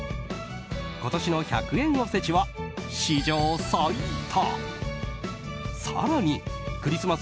今年の１００円おせちは史上最多！